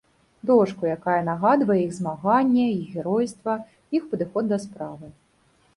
Дошку, якая нагадвае іх змаганне, іх геройства, іх падыход да справы.